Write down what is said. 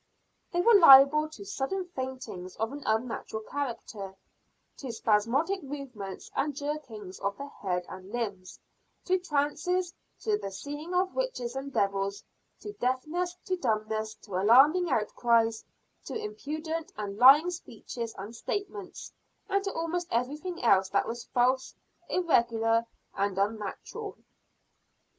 They were liable to sudden faintings of an unnatural character, to spasmodic movements and jerkings of the head and limbs, to trances, to the seeing of witches and devils, to deafness, to dumbness, to alarming outcries, to impudent and lying speeches and statements, and to almost everything else that was false, irregular and unnatural.